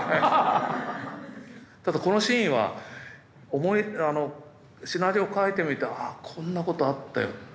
ただこのシーンはシナリオ書いてみて「ああこんなことあったよ」というふうに思い出してた。